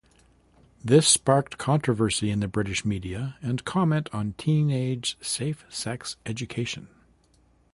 This sparked controversy in the British media and comment on teenage safe sex education.